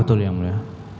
betul ya mulia